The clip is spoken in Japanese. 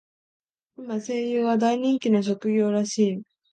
今、声優は大人気の職業らしい。